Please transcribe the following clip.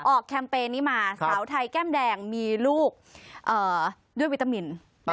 แคมเปญนี้มาสาวไทยแก้มแดงมีลูกด้วยวิตามิน